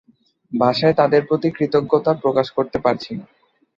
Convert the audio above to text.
ভাষায় তাঁদের প্রতি কৃতজ্ঞতা প্রকাশ করতে পারছি না।